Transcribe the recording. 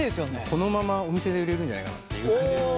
このままお店で売れるんじゃないかなっていう感じです。